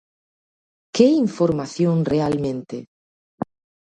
¿Que información realmente?